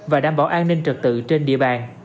và đảm bảo an ninh trật tự trên địa bàn